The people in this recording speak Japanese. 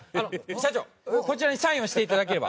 社長こちらにサインをしていただければ。